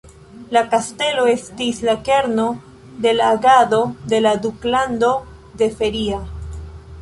La kastelo estis la kerno de la agado de la Duklando de Feria.